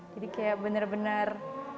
jadi kayak bener bener